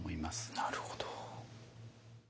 なるほど。